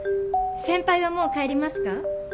先輩はもう帰りますか？